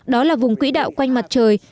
đó là vùng quỹ đạo quanh mặt trời